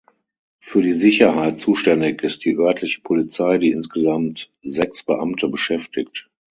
Für die Sicherheit zuständig ist die örtliche Polizei, die insgesamt sechs Beamte beschäftigt.